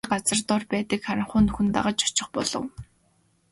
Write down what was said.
Тэр газар дор байдаг харанхуй нүхэнд нь дагаж очих болов.